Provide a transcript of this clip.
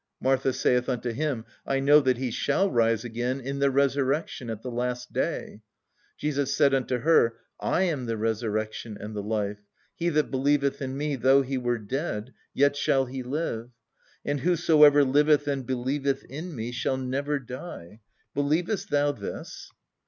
"Martha saith unto Him, I know that he shall rise again in the resurrection, at the last day. "Jesus said unto her, I am the resurrection and the life: he that believeth in Me though he were dead, yet shall he live. "And whosoever liveth and believeth in Me shall never die. Believest thou this?